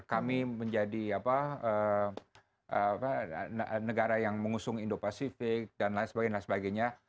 kami menjadi negara yang mengusung indo pasifik dan lain sebagainya